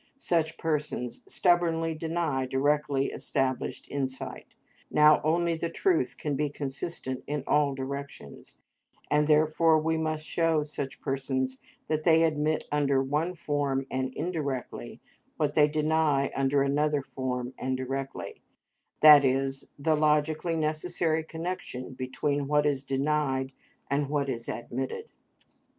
Such persons stubbornly deny directly established insight; now only the truth can be consistent in all directions, and therefore we must show such persons that they admit under one form and indirectly, what they deny under another form and directly; that is, the logically necessary connection between what is denied and what is admitted.